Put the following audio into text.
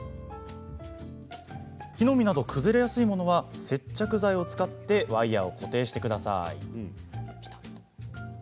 木の実など崩れやすいものは接着剤を使ってワイヤーを固定してください。